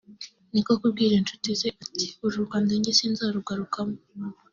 niko kubwira inshuti ze ati ’uru Rwanda jye sinzarugarukamo